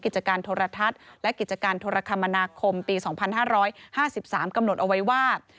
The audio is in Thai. กิจการโทรทัศน์และกิจการโทรคมนาคมปี๒๕๕๓กำหนดเอาไว้ว่า